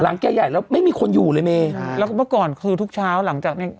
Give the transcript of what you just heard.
แกใหญ่แล้วไม่มีคนอยู่เลยเมใช่แล้วก็เมื่อก่อนคือทุกเช้าหลังจากเนี้ย